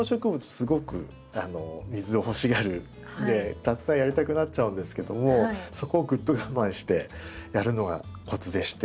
すごく水を欲しがるのでたくさんやりたくなっちゃうんですけどもそこをぐっと我慢してやるのがコツでして。